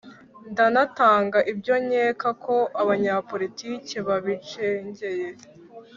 ndanatanga ibyo nkeka ko abanyapolitike babicengeye,